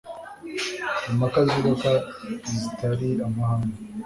impaka zubaka zitari amahane